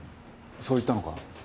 そう言ったのか？